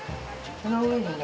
その上にね